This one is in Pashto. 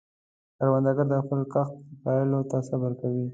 کروندګر د خپل کښت پایلو ته صبر کوي